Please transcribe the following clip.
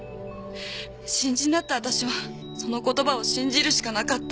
新人だった私はその言葉を信じるしかなかった。